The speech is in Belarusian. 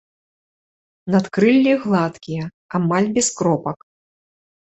Надкрыллі гладкія, амаль без кропак.